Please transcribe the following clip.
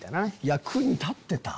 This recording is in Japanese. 役に立ってた？